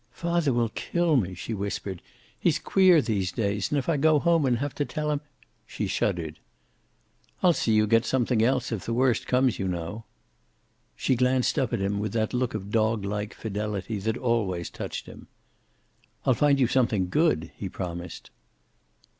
"Father will kill me," she whispered. "He's queer these days, and if I go home and have to tell him " She shuddered. "I'll see you get something else, if the worst comes, you know." She glanced up at him with that look of dog like fidelity that always touched him. "I'll find you something good," he promised.